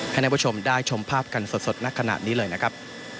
ให้ท่านผู้ชมได้ชมภาพกันสดณขณะนี้เลยนะครับ